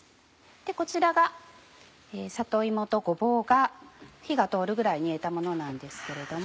こちらが里芋とごぼうが火が通るぐらい煮えたものなんですけれども。